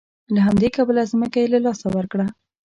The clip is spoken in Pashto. له همدې کبله ځمکه یې له لاسه ورکړه.